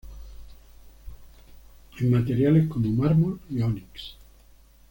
En materiales como mármol y ónix.